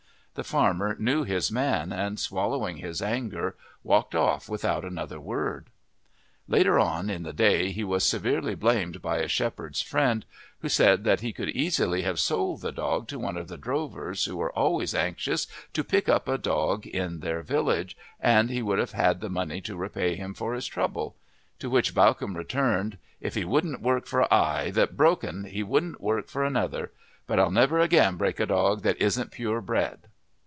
The farmer knew his man, and swallowing his anger walked off without another word. Later on in the day he was severely blamed by a shepherd friend who said that he could easily have sold the dog to one of the drovers, who were always anxious to pick up a dog in their village, and he would have had the money to repay him for his trouble; to which Bawcombe returned, "If he wouldn't work for I that broke 'n he wouldn't work for another. But I'll never again break a dog that isn't pure bred."